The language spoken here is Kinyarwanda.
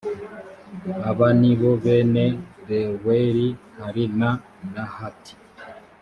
aba ni bo bene reweli hari na nahati